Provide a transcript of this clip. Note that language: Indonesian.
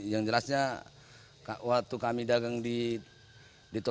yang jelasnya waktu kami dagang di toko